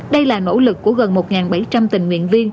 đây là nỗ lực của gần một bảy trăm linh tình nguyện viên